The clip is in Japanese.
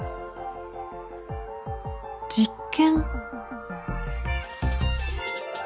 実験？